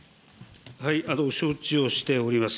承知をしております。